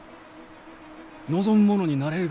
望む者になれるがやき！